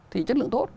thì chất lượng tốt